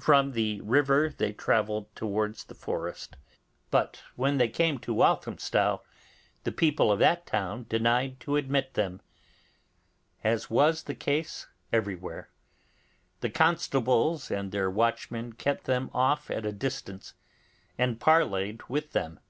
From the river they travelled towards the forest, but when they came to Walthamstow the people of that town denied to admit them, as was the case everywhere. The constables and their watchmen kept them off at a distance and parleyed with them.